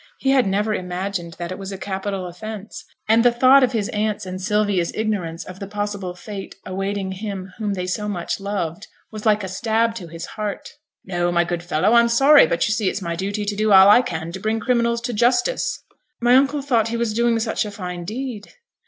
He had never imagined that it was a capital offence; and the thought of his aunt's and Sylvia's ignorance of the possible fate awaiting him whom they so much loved, was like a stab to his heart. 'No, my good fellow. I'm sorry; but, you see, it's my duty to do all I can to bring criminals to justice.' 'My uncle thought he was doing such a fine deed.'